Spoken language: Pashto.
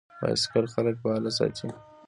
بایسکل خلک فعال ساتي.